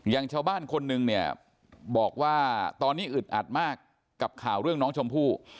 อย่างชาวบ้านคนหนึ่งเนี่ยบอกว่าตอนนี้อึดอัดมากกับข่าวเรื่องน้องชมพู่